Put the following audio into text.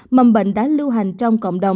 mầm bệnh đã lưu hành trong cộng đồng